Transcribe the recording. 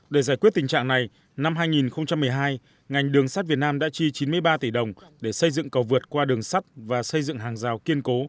để giải quyết tình trạng này năm hai nghìn một mươi hai ngành đường sắt việt nam đã chi chín mươi ba tỷ đồng để xây dựng cầu vượt qua đường sắt và xây dựng hàng rào kiên cố